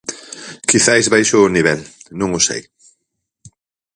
Quizais baixou o nivel, non o sei.